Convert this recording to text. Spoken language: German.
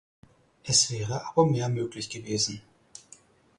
Es wäre aber mehr möglich gewesen.